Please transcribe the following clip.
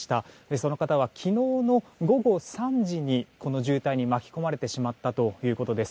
その方は昨日の午後３時にこの渋滞に巻き込まれてしまったということです。